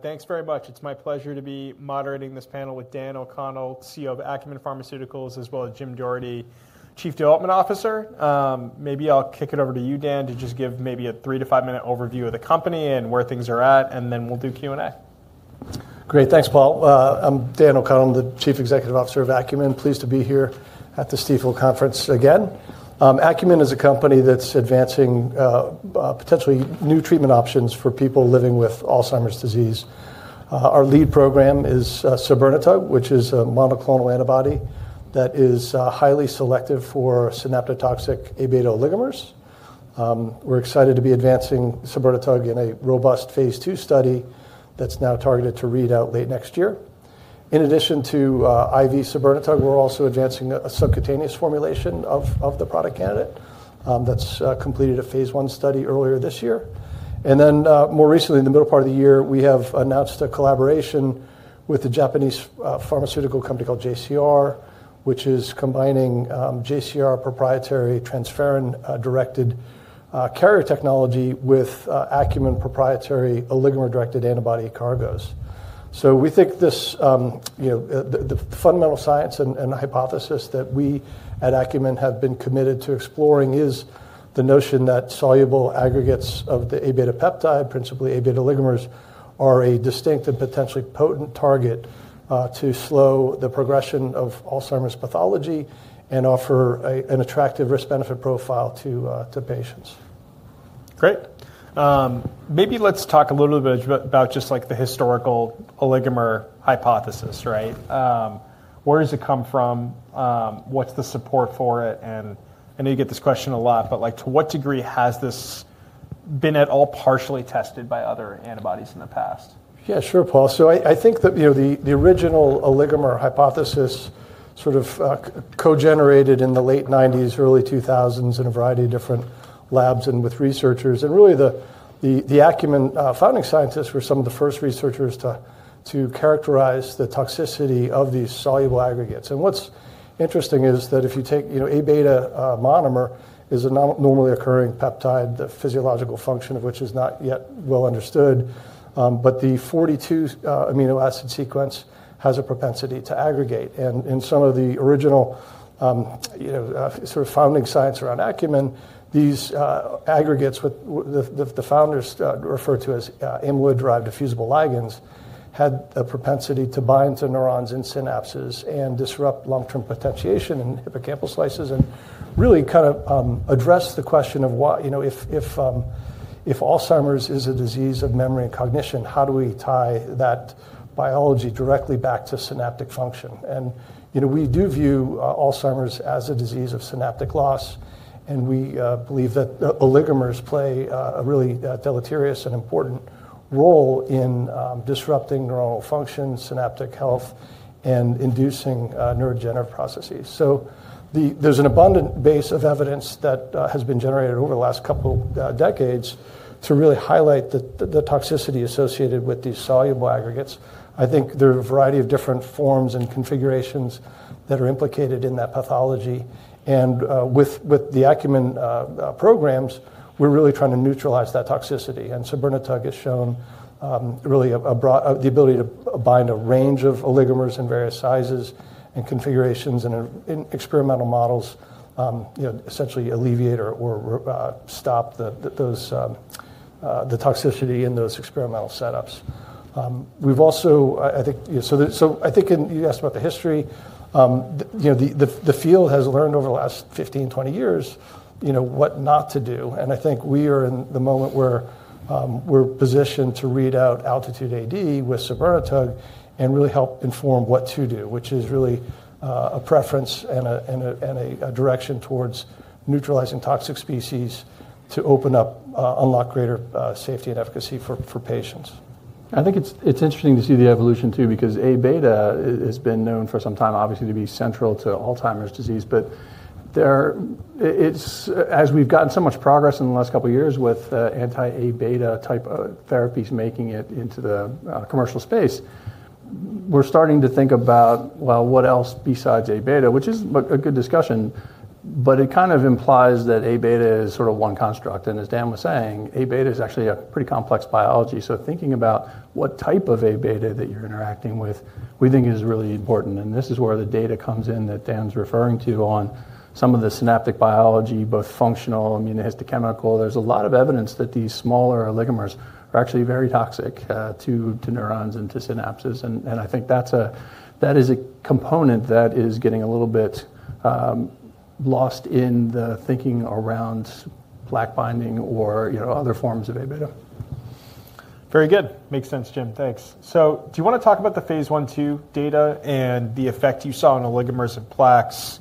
Thanks very much. It's my pleasure to be moderating this panel with Dan O'Connell, CEO of Acumen Pharmaceuticals, as well as Jim Doherty, Chief Development Officer. Maybe I'll kick it over to you, Dan, to just give maybe a three to five-minute overview of the company and where things are at, and then we'll do Q&A. Great. Thanks, Paul. I'm Dan O'Connell, the Chief Executive Officer of Acumen. Pleased to be here at the Stifel conference again. Acumen is a company that's advancing potentially new treatment options for people living with Alzheimer's disease. Our lead program is sabirnetug, which is a monoclonal antibody that is highly selective for synaptotoxic Aβ oligomers. We're excited to be advancing sabirnetug in a robust phase II study that's now targeted to read out late next year. In addition to IV sabirnetug, we're also advancing a subcutaneous formulation of the product candidate that's completed a phase I study earlier this year. More recently, in the middle part of the year, we have announced a collaboration with a Japanese pharmaceutical company called JCR, which is combining JCR proprietary transferrin-directed carrier technology with Acumen proprietary oligomer-directed antibody cargoes. We think this fundamental science and hypothesis that we at Acumen have been committed to exploring is the notion that soluble aggregates of the Aβ peptide, principally Aβ oligomers, are a distinct and potentially potent target to slow the progression of Alzheimer's pathology and offer an attractive risk-benefit profile to patients. Great. Maybe let's talk a little bit about just like the historical oligomer hypothesis, right? Where does it come from? What's the support for it? I know you get this question a lot, but to what degree has this been at all partially tested by other antibodies in the past? Yeah, sure, Paul. I think that the original oligomer hypothesis sort of co-generated in the late 1990s, early 2000s, in a variety of different labs and with researchers. Really, the Acumen founding scientists were some of the first researchers to characterize the toxicity of these soluble aggregates. What's interesting is that if you take Aβ monomer, which is a normally occurring peptide, the physiological function of which is not yet well understood, the 42 amino acid sequence has a propensity to aggregate. In some of the original sort of founding science around Acumen, these aggregates, which the founders referred to as amyloid-derived diffusible ligands, had a propensity to bind to neurons in synapses and disrupt long-term potentiation in hippocampal slices and really kind of address the question of, if Alzheimer's is a disease of memory and cognition, how do we tie that biology directly back to synaptic function? We do view Alzheimer's as a disease of synaptic loss. We believe that oligomers play a really deleterious and important role in disrupting neuronal function, synaptic health, and inducing neurodegenerative processes. There is an abundant base of evidence that has been generated over the last couple of decades to really highlight the toxicity associated with these soluble aggregates. I think there are a variety of different forms and configurations that are implicated in that pathology. With the Acumen programs, we're really trying to neutralize that toxicity and sabirnetug has shown really the ability to bind a range of oligomers in various sizes and configurations and in experimental models, essentially alleviate or stop the toxicity in those experimental setups. I think you asked about the history. The field has learned over the last 15-20 years what not to do. I think we are in the moment where we're positioned to read out ALTITUDE-AD with sabirnetug and really help inform what to do, which is really a preference and a direction towards neutralizing toxic species to open up, unlock greater safety and efficacy for patients. I think it's interesting to see the evolution too, because Aβ has been known for some time, obviously, to be central to Alzheimer's disease. As we've gotten so much progress in the last couple of years with anti-Aβ type therapies making it into the commercial space, we're starting to think about what else besides Aβ, which is a good discussion. It kind of implies that Aβ is sort of one construct. As Dan was saying, Aβ is actually a pretty complex biology. Thinking about what type of Aβ that you're interacting with, we think, is really important. This is where the data comes in that Dan's referring to on some of the synaptic biology, both functional, immunohistochemical. There's a lot of evidence that these smaller oligomers are actually very toxic to neurons and to synapses. I think that is a component that is getting a little bit lost in the thinking around plaque binding or other forms of Aβ, too. Very good. Makes sense, Jim. Thanks. Do you want to talk about the phase I/II two data and the effect you saw in oligomers and plaques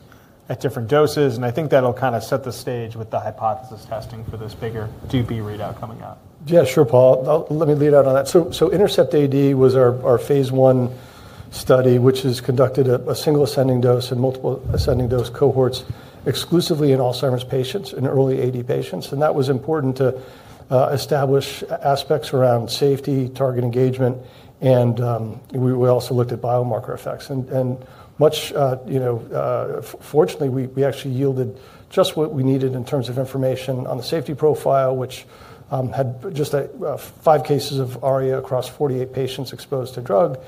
at different doses? I think that'll kind of set the stage with the hypothesis testing for this bigger readout coming out. Yeah, sure, Paul. Let me lead out on that. INTERCEPT-AD was our phase I study, which is conducted at a single ascending dose and multiple ascending dose cohorts exclusively in Alzheimer's patients and early AD patients. That was important to establish aspects around safety, target engagement, and we also looked at biomarker effects. Fortunately, we actually yielded just what we needed in terms of information on the safety profile, which had just five cases of ARIA across 48 patients exposed to drug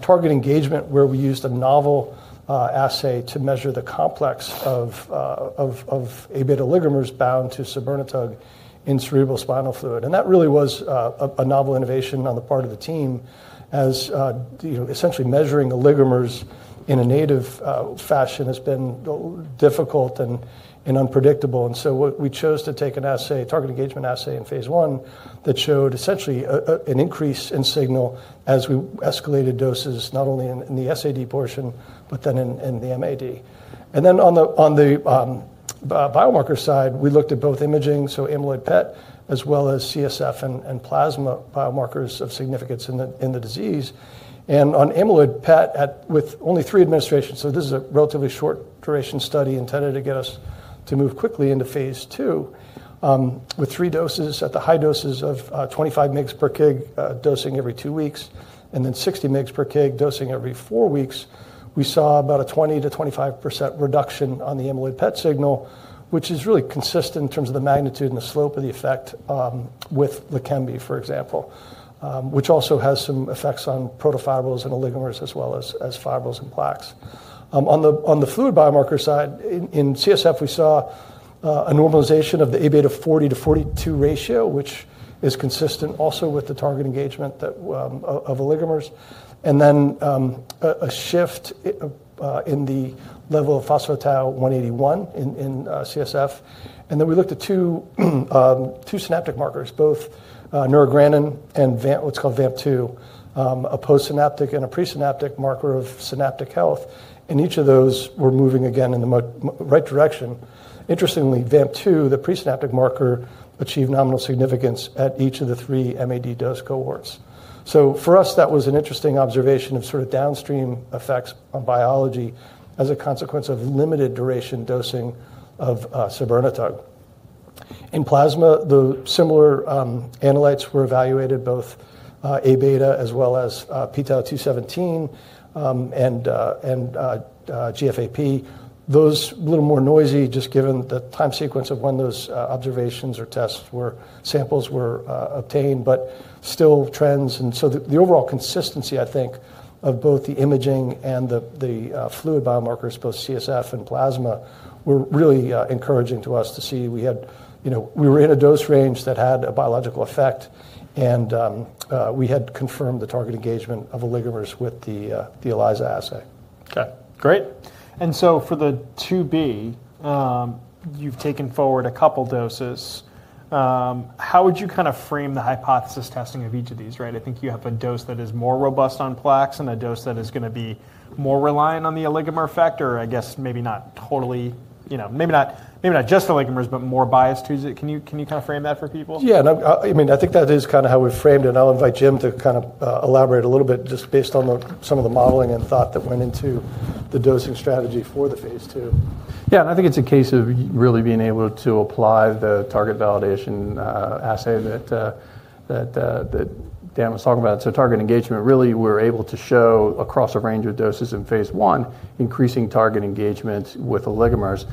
target engagement, where we used a novel assay to measure the complex of Aβ oligomers bound to sabirnetug in cerebrospinal fluid. That really was a novel innovation on the part of the team, as essentially measuring oligomers in a native fashion has been difficult and unpredictable. We chose to take a target engagement assay in phase I that showed essentially an increase in signal as we escalated doses, not only in the SAD portion, but then in the MAD. On the biomarker side, we looked at both imaging, so amyloid PET, as well as CSF and plasma biomarkers of significance in the disease. On amyloid PET with only three administrations, this is a relatively short duration study intended to get us to move quickly into phase II with three doses at the high doses of 25 mg/kg dosing every two weeks and then 60 mg/kg dosing every four weeks. We saw about a 20%-25% reduction on the amyloid PET signal, which is really consistent in terms of the magnitude and the slope of the effect with LEQEMBI, for example, which also has some effects on protofibrils and oligomers as well as fibrils and plaques. On the fluid biomarker side, in CSF, we saw a normalization of the Aβ 40-42 ratio, which is consistent also with the target engagement of oligomers. A shift in the level of p-tau181 in CSF was also observed. We looked at two synaptic markers, both neurogranin and what is called VAMP2, a postsynaptic and a presynaptic marker of synaptic health. Each of those were moving again in the right direction. Interestingly, VAMP2, the presynaptic marker, achieved nominal significance at each of the three MAD dose cohorts. For us, that was an interesting observation of sort of downstream effects on biology as a consequence of limited duration dosing of sabirnetug. In plasma, the similar analytes were evaluated, both Aβ as well as p-tau217 and GFAP. Those are a little more noisy, just given the time sequence of when those observations or samples were obtained, but still trends. The overall consistency, I think, of both the imaging and the fluid biomarkers post-CSF and plasma were really encouraging to us to see we were in a dose range that had a biological effect, and we had confirmed the target engagement of oligomers with the ELISA assay. Okay. Great. For the II-B, you've taken forward a couple of doses. How would you kind of frame the hypothesis testing of each of these, right? I think you have a dose that is more robust on plaques and a dose that is going to be more reliant on the oligomer factor, or I guess maybe not totally, maybe not just oligomers, but more biased to it. Can you kind of frame that for people? Yeah. I mean, I think that is kind of how we framed it. I'll invite Jim to kind of elaborate a little bit just based on some of the modeling and thought that went into the dosing strategy for the phase II. Yeah. I think it's a case of really being able to apply the target validation assay that Dan was talking about. Target engagement, really, we're able to show across a range of doses in phase I, increasing target engagement with oligomers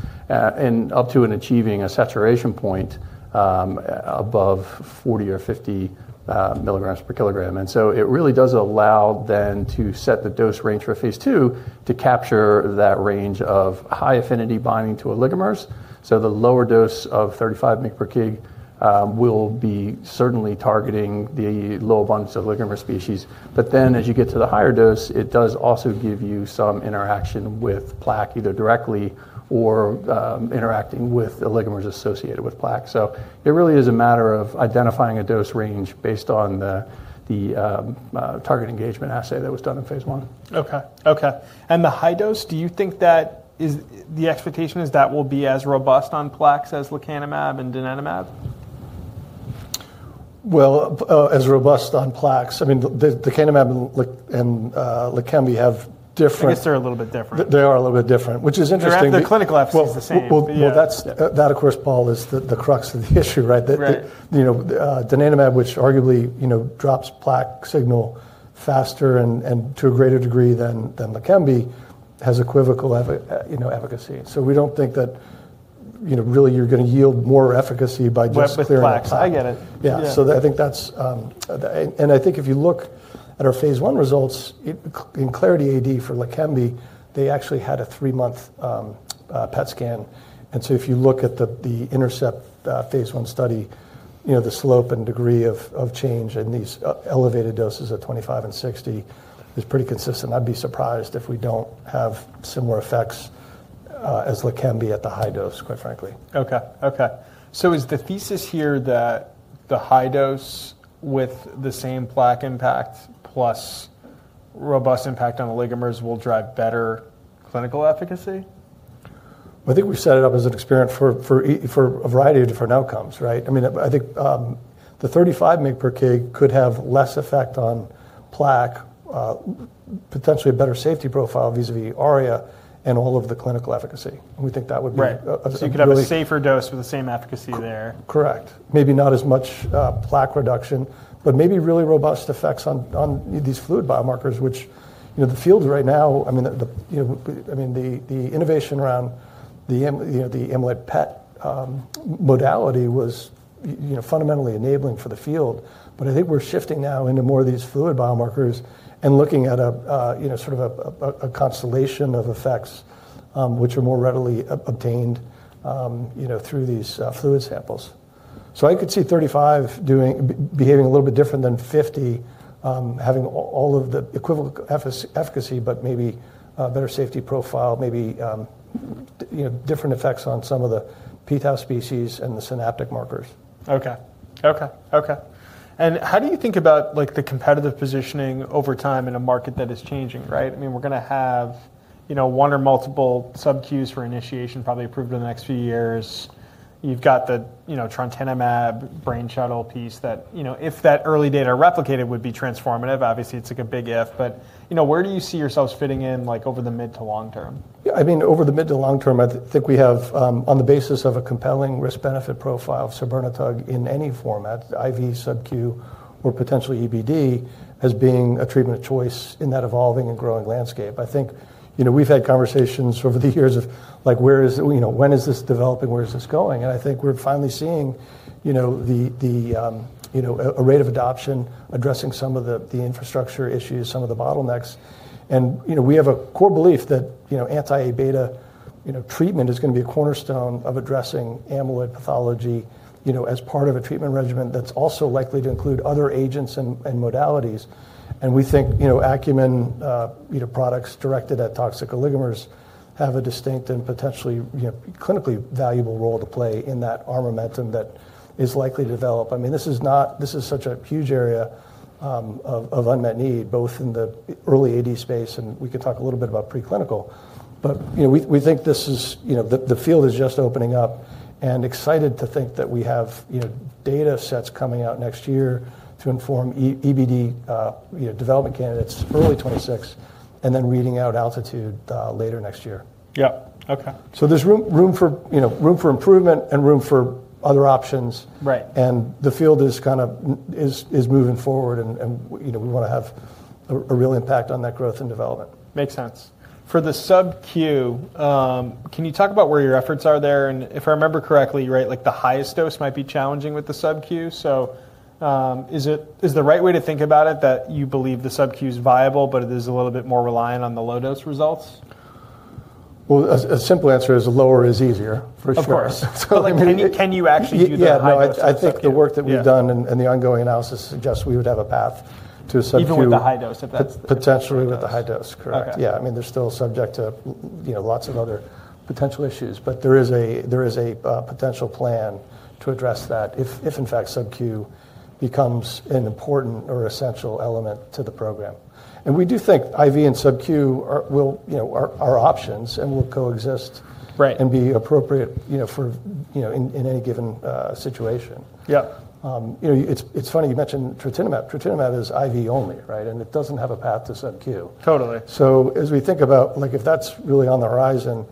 and up to and achieving a saturation point above 40 or 50 mg/kg. It really does allow then to set the dose range for phase II to capture that range of high affinity binding to oligomers. The lower dose of 35 mg/kg will be certainly targeting the low abundance of oligomer species. As you get to the higher dose, it does also give you some interaction with plaque either directly or interacting with oligomers associated with plaque. It really is a matter of identifying a dose range based on the target engagement assay that was done in phase I. Okay. Okay. And the high dose, do you think that the expectation is that will be as robust on plaques as lecanemab and donanemab? As robust on plaques. I mean, lecanemab and LEQEMBI have different. I guess they're a little bit different. They are a little bit different, which is interesting. The clinical effect is the same. That, of course, Paul, is the crux of the issue, right? Donanemab, which arguably drops plaque signal faster and to a greater degree than LEQEMBI, has equivocal efficacy. So we do not think that really you are going to yield more efficacy by just clearing plaque. Wet with plaques. I get it. Yeah. I think that's, and I think if you look at our phase I results in CLARITY-AD for LEQEMBI, they actually had a three-month PET scan. If you look at the Intercept phase I study, the slope and degree of change in these elevated doses at 25 and 60 is pretty consistent. I'd be surprised if we don't have similar effects as LEQEMBI at the high dose, quite frankly. Okay. Okay. Is the thesis here that the high dose with the same plaque impact plus robust impact on oligomers will drive better clinical efficacy? I think we've set it up as an experiment for a variety of different outcomes, right? I mean, I think the 35 mg/kg could have less effect on plaque, potentially a better safety profile vis-à-vis ARIA and all of the clinical efficacy. We think that would be a really. Right. You could have a safer dose with the same efficacy there. Correct. Maybe not as much plaque reduction, but maybe really robust effects on these fluid biomarkers, which the field right now, I mean, the innovation around the amyloid PET modality was fundamentally enabling for the field. I think we're shifting now into more of these fluid biomarkers and looking at sort of a constellation of effects, which are more readily obtained through these fluid samples. I could see 35 behaving a little bit different than 50, having all of the equivalent efficacy, but maybe a better safety profile, maybe different effects on some of the p-tau species and the synaptic markers. Okay. Okay. Okay. How do you think about the competitive positioning over time in a market that is changing, right? I mean, we're going to have one or multiple sub-Qs for initiation, probably approved in the next few years. You've got the trontinemab brain shuttle piece that if that early data are replicated, would be transformative. Obviously, it's like a big if. Where do you see yourselves fitting in over the mid to long term? I mean, over the mid to long term, I think we have, on the basis of a compelling risk-benefit profile of sabirnetug in any format, IV, sub-Q, or potentially EBD, as being a treatment of choice in that evolving and growing landscape. I think we've had conversations over the years of where is, when is this developing, where is this going? I think we're finally seeing a rate of adoption addressing some of the infrastructure issues, some of the bottlenecks. We have a core belief that anti-Aβ treatment is going to be a cornerstone of addressing amyloid pathology as part of a treatment regimen that's also likely to include other agents and modalities. We think Acumen products directed at toxic oligomers have a distinct and potentially clinically valuable role to play in that armamentum that is likely to develop. I mean, this is such a huge area of unmet need, both in the early AD space, and we could talk a little bit about preclinical. We think the field is just opening up and excited to think that we have data sets coming out next year to inform EBD development candidates early 2026, and then reading out Altitude later next year. Yep. Okay. There's room for improvement and room for other options. The field is kind of moving forward, and we want to have a real impact on that growth and development. Makes sense. For the sub-Q, can you talk about where your efforts are there? If I remember correctly, the highest dose might be challenging with the sub-Q. Is the right way to think about it that you believe the sub-Q is viable, but it is a little bit more reliant on the low dose results? A simple answer is lower is easier, for sure. Of course. Can you actually do that high dose? Yeah. I think the work that we've done and the ongoing analysis suggests we would have a path to a sub-Q. Even with the high dose of that. Potentially with the high dose, correct. Yeah. I mean, they're still subject to lots of other potential issues, but there is a potential plan to address that if, in fact, sub-Q becomes an important or essential element to the program. I mean, we do think IV and sub-Q are options and will coexist and be appropriate in any given situation. Yep. It's funny you mentioned trontinemab. Trontinemab is IV only, right? It doesn't have a path to sub-Q. Totally. As we think about, if that's really on the horizon,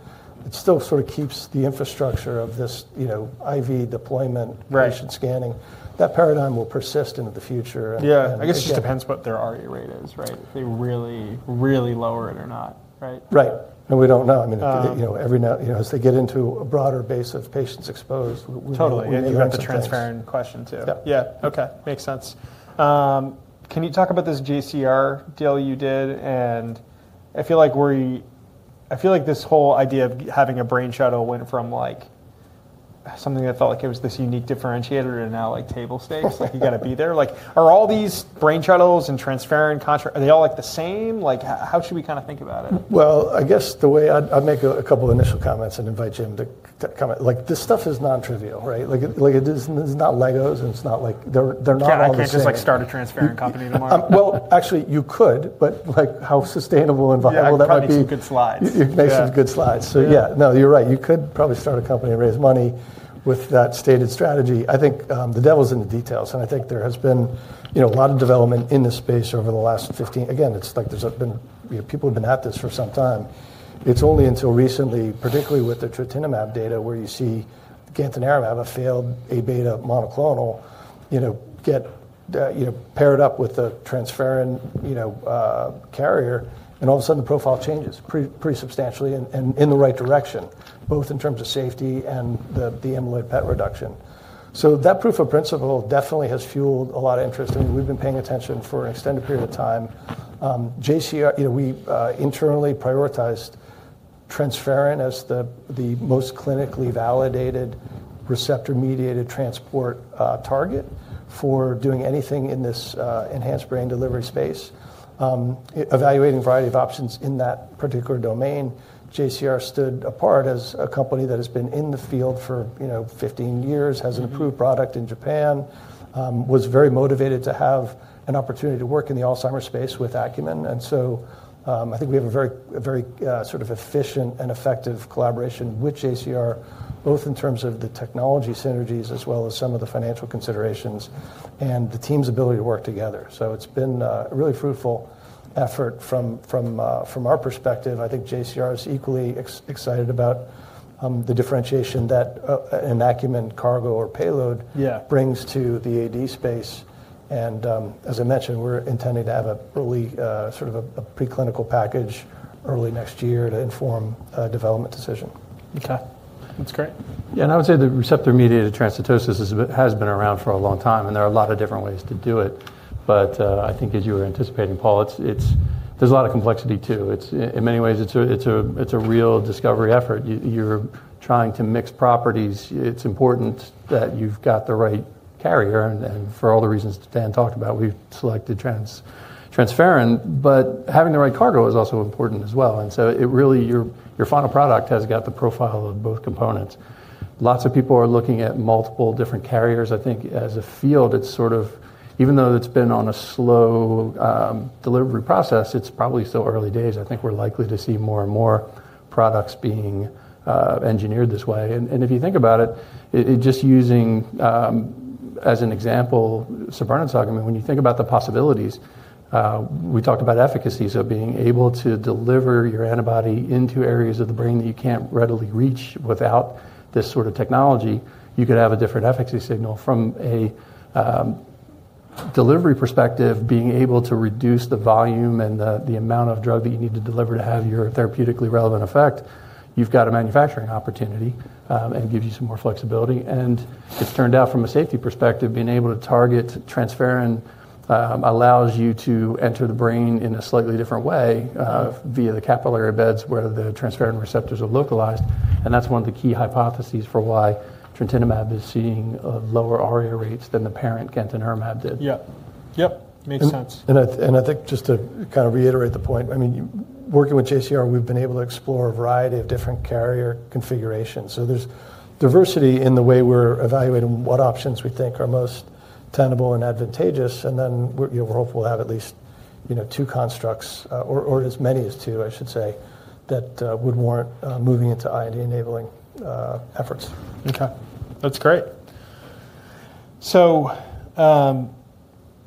it still sort of keeps the infrastructure of this IV deployment, patient scanning. That paradigm will persist into the future. Yeah. I guess it just depends what their ARIA rate is, right? If they really, really lower it or not, right? Right. We don't know. I mean, as they get into a broader base of patients exposed, we'll know. Totally. You have the transparent question too. Yeah. Okay. Makes sense. Can you talk about this JCR deal you did? I feel like this whole idea of having a brain shuttle went from something that felt like it was this unique differentiator to now like table stakes, like you got to be there. Are all these brain shuttles and transparent contracts, are they all like the same? How should we kind of think about it? I guess the way I'd make a couple of initial comments and invite Jim to comment, this stuff is non-trivial, right? It's not Legos, and it's not like they're not all. Can't just like start a transparent company tomorrow? Actually, you could, but how sustainable and viable that might be. Yeah. That makes some good slides. It makes some good slides. Yeah, no, you're right. You could probably start a company and raise money with that stated strategy. I think the devil's in the details. I think there has been a lot of development in this space over the last 15. Again, it's like people have been at this for some time. It's only until recently, particularly with the trontinemab data where you see gantenerumab, a failed Aβ monoclonal, get paired up with a transferrin carrier, and all of a sudden the profile changes pretty substantially and in the right direction, both in terms of safety and the amyloid PET reduction. That proof of principle definitely has fueled a lot of interest. I mean, we've been paying attention for an extended period of time. JCR, we internally prioritized transferrin as the most clinically validated receptor-mediated transport target for doing anything in this enhanced brain delivery space. Evaluating a variety of options in that particular domain, JCR stood apart as a company that has been in the field for 15 years, has an approved product in Japan, was very motivated to have an opportunity to work in the Alzheimer's space with Acumen. I think we have a very sort of efficient and effective collaboration with JCR, both in terms of the technology synergies as well as some of the financial considerations and the team's ability to work together. It has been a really fruitful effort from our perspective. I think JCR is equally excited about the differentiation that an Acumen cargo or payload brings to the AD space. As I mentioned, we're intending to have a really sort of a preclinical package early next year to inform a development decision. Okay. That's great. Yeah. I would say the receptor-mediated transcytosis has been around for a long time, and there are a lot of different ways to do it. I think as you were anticipating, Paul, there's a lot of complexity too. In many ways, it's a real discovery effort. You're trying to mix properties. It's important that you've got the right carrier. For all the reasons Dan talked about, we've selected transferrin. Having the right cargo is also important as well. Really your final product has got the profile of both components. Lots of people are looking at multiple different carriers. I think as a field, it's sort of, even though it's been on a slow delivery process, it's probably still early days. I think we're likely to see more and more products being engineered this way. If you think about it, just using as an example, sabirnetug, I mean, when you think about the possibilities, we talked about efficacies of being able to deliver your antibody into areas of the brain that you cannot readily reach without this sort of technology, you could have a different efficacy signal. From a delivery perspective, being able to reduce the volume and the amount of drug that you need to deliver to have your therapeutically relevant effect, you have got a manufacturing opportunity and it gives you some more flexibility. It has turned out from a safety perspective, being able to target transferrin allows you to enter the brain in a slightly different way via the capillary beds where the transferrin receptors are localized. That is one of the key hypotheses for why trontinemab is seeing lower ARIA rates than the parent gantenerumab did. Yep. Yep. Makes sense. I think just to kind of reiterate the point, I mean, working with JCR, we've been able to explore a variety of different carrier configurations. There is diversity in the way we're evaluating what options we think are most tenable and advantageous. We are hopeful to have at least two constructs or as many as two, I should say, that would warrant moving into IND-enabling efforts. Okay. That's great.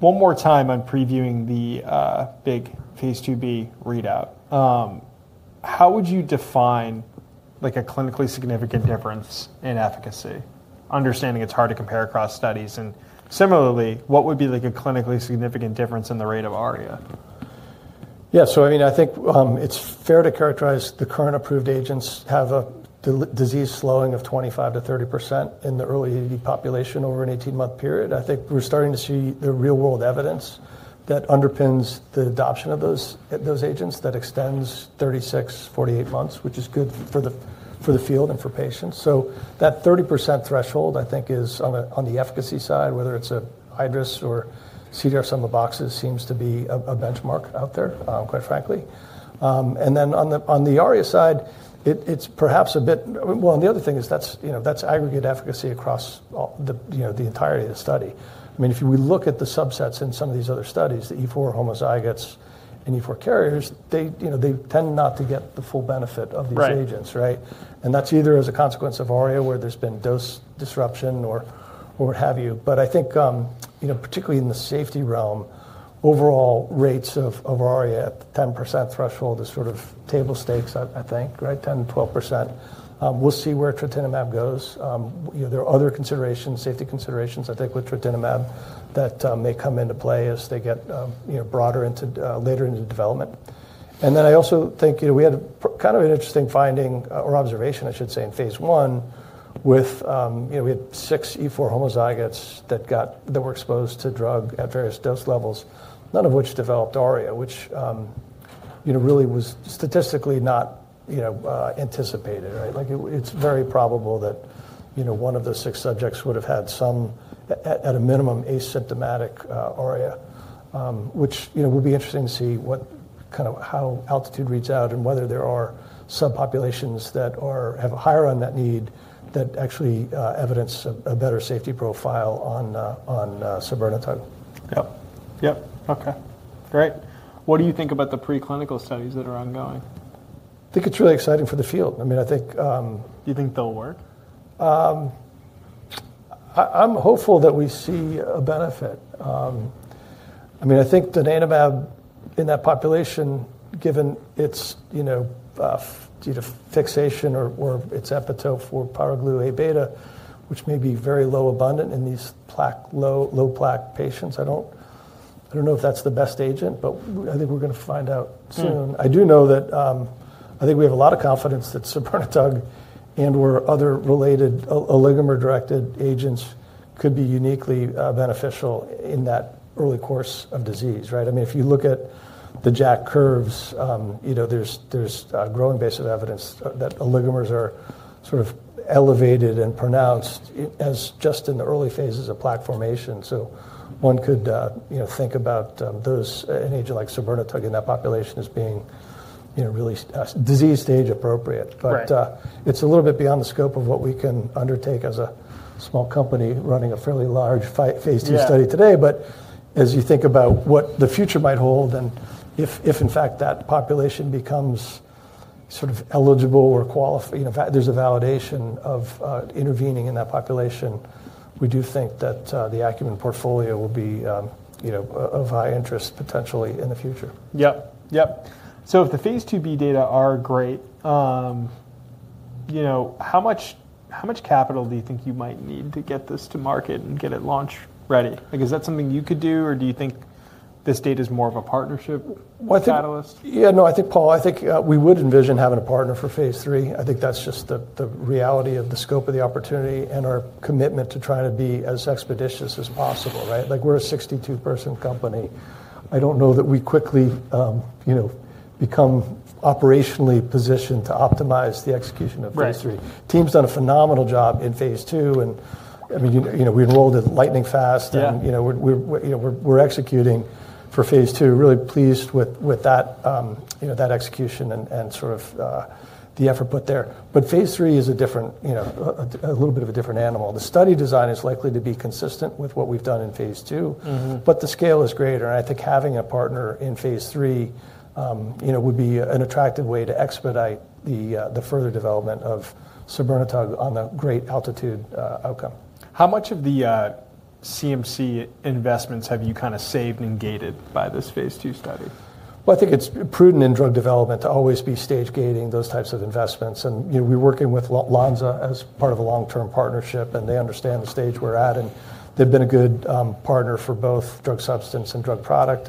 One more time on previewing the big phase II-B readout. How would you define a clinically significant difference in efficacy? Understanding it's hard to compare across studies. Similarly, what would be a clinically significant difference in the rate of ARIA? Yeah. So I mean, I think it's fair to characterize the current approved agents have a disease slowing of 25%-30% in the early AD population over an 18-month period. I think we're starting to see the real-world evidence that underpins the adoption of those agents that extends 36, 48 months, which is good for the field and for patients. That 30% threshold, I think, is on the efficacy side, whether it's a iADRS or CDR-SB, some of the boxes seems to be a benchmark out there, quite frankly. Then on the ARIA side, it's perhaps a bit, well, and the other thing is that's aggregate efficacy across the entirety of the study. I mean, if we look at the subsets in some of these other studies, the E4 homozygotes and E4 carriers, they tend not to get the full benefit of these agents, right? That's either as a consequence of ARIA where there's been dose disruption or what have you. I think particularly in the safety realm, overall rates of ARIA at the 10% threshold is sort of table stakes, I think, right? 10%-12%. We'll see where trontinemab goes. There are other considerations, safety considerations, I think, with trontinemab that may come into play as they get broader later into development. I also think we had kind of an interesting finding or observation, I should say, in phase I with—we had six E4 homozygotes that were exposed to drug at various dose levels, none of which developed ARIA, which really was statistically not anticipated, right? It's very probable that one of the six subjects would have had some, at a minimum, asymptomatic ARIA, which would be interesting to see kind of how ALTITUDE-AD reads out and whether there are subpopulations that have a higher on that need that actually evidence a better safety profile on sabirnetug. Yep. Yep. Okay. Great. What do you think about the preclinical studies that are ongoing? I think it's really exciting for the field. I mean, I think. Do you think they'll work? I'm hopeful that we see a benefit. I mean, I think donanemab in that population, given its fixation or its epitope for pyroglutamate Aβ, which may be very low abundant in these low plaque patients, I don't know if that's the best agent, but I think we're going to find out soon. I do know that I think we have a lot of confidence that sabirnetug and/or other related oligomer-directed agents could be uniquely beneficial in that early course of disease, right? I mean, if you look at the Jack curves, there's a growing base of evidence that oligomers are sort of elevated and pronounced just in the early phases of plaque formation. One could think about those, an agent like sabirnetug in that population as being really disease stage appropriate. It is a little bit beyond the scope of what we can undertake as a small company running a fairly large phase II study today. But as you think about what the future might hold and if, in fact, that population becomes sort of eligible or qualified, there is a validation of intervening in that population, we do think that the Acumen portfolio will be of high interest potentially in the future. Yep. Yep. If the phase II-B data are great, how much capital do you think you might need to get this to market and get it launch ready? Is that something you could do, or do you think this data is more of a partnership with Catalyst? Yeah. No, I think, Paul, I think we would envision having a partner for phase III. I think that's just the reality of the scope of the opportunity and our commitment to try to be as expeditious as possible, right? We're a 62-person company. I don't know that we quickly become operationally positioned to optimize the execution of phase III. Team's done a phenomenal job in phase II. I mean, we enrolled it lightning fast, and we're executing for phase II. Really pleased with that execution and sort of the effort put there. Phase III is a little bit of a different animal. The study design is likely to be consistent with what we've done in phase II, but the scale is greater. I think having a partner in phase III would be an attractive way to expedite the further development of sabirnetug on the great ALTITUDE-AD outcome. How much of the CMC investments have you kind of saved and gated by this phase II study? I think it's prudent in drug development to always be stage-gating those types of investments. We're working with Lonza as part of a long-term partnership, and they understand the stage we're at. They've been a good partner for both drug substance and drug product.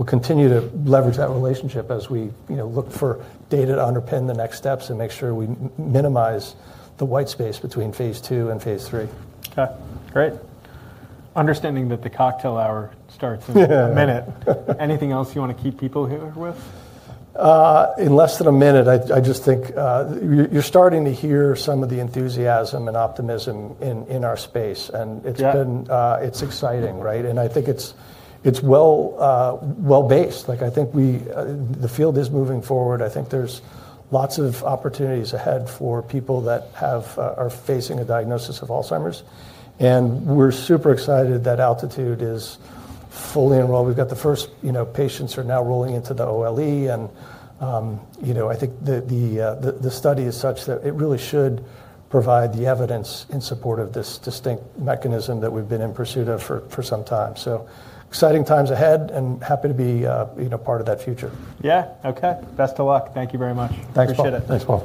We'll continue to leverage that relationship as we look for data to underpin the next steps and make sure we minimize the white space between phase II and phase III. Okay. Great. Understanding that the cocktail hour starts in a minute, anything else you want to keep people here with? In less than a minute, I just think you're starting to hear some of the enthusiasm and optimism in our space. It's exciting, right? I think it's well-based. I think the field is moving forward. I think there's lots of opportunities ahead for people that are facing a diagnosis of Alzheimer's. We're super excited that ALTITUDE-AD is fully enrolled. We've got the first patients now rolling into the OLE. I think the study is such that it really should provide the evidence in support of this distinct mechanism that we've been in pursuit of for some time. Exciting times ahead and happy to be part of that future. Yeah. Okay. Best of luck. Thank you very much. Thanks, Paul. Appreciate it. Thanks, Paul.